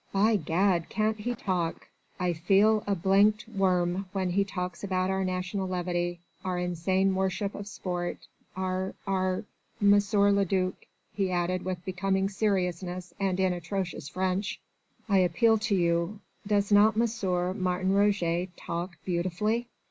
"By Gad! can't he talk? I feel a d d worm when he talks about our national levity, our insane worship of sport, our ... our ... M. le duc," he added with becoming seriousness and in atrocious French, "I appeal to you. Does not M. Martin Roget talk beautifully?"